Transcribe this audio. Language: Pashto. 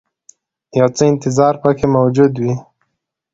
یو څه انتظار پکې موجود وي.